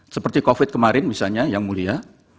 seperti covid kemarin misalnya yang mulia